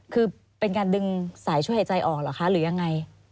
คือเป็นการดึงสายช่วยหายใจออกเหรอคะหรือยังไง